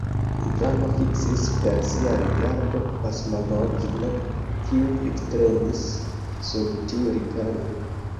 Ivano fiksis per sia rigardo Basmanov'n, kiu ektremis sub tiu rigardo.